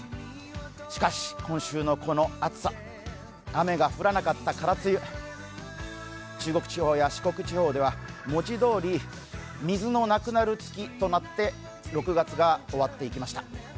しかし、今週のこの暑さ雨が降らなかった空梅雨、中国地方や四国地方では文字どおり水のなくなる月となって６月が終わっていきました。